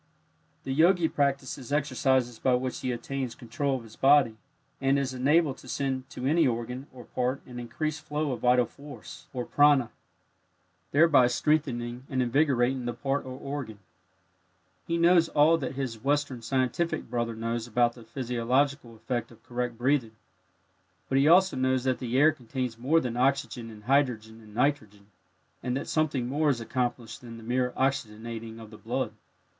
The Yogi practices exercises by which he attains control of his body, and is enabled to send to any organ or part an increased flow of vital force or "prana," thereby strengthening and invigorating the part or organ. He knows all that his Western scientific brother knows about the physiological effect of correct breathing, but he also knows that the air contains more than oxygen and hydrogen and nitrogen, and that something more is accomplished than the mere oxygenating of the blood.